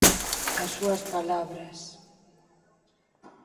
As súas palabras...